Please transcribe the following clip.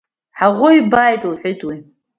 Ҳаӷоу ибааит, — лҳәеит уи…